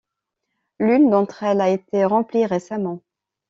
L’une d’entre elles a été remplie récemment.